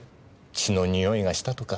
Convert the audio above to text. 血の匂いがしたとか。